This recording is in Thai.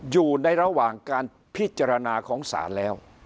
อยู่ในระหว่างการพิจารณาของศาลแล้ว